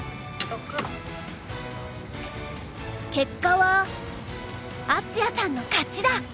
結果は敦也さんの勝ちだ！